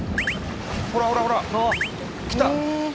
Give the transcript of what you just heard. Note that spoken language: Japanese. ほらほらほら来た。